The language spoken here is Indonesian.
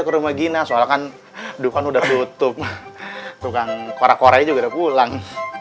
ke rumah gina soal kan dukungan udah tutup tukang kore kore juga pulang